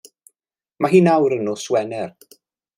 Mae hi nawr yn nos Wener.